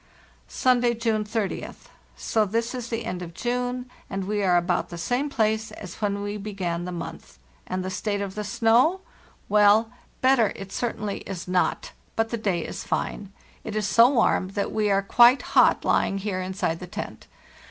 "Sunday, June 30th. So this is the end of June, and we are about the same place as when we began the month. And the state of the snow? Well, better it 304 PARTHE ST NORTH certainly is not; but the day is fine. It is so warm that we are quite hot lying here inside the tent.